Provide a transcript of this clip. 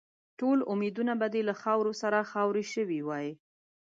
ټول امیدونه به دې له خاورو سره خاوري شوي وای.